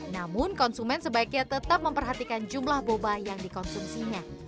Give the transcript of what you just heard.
namun konsumen sebaiknya tetap memperhatikan jumlah boba yang dikonsumsinya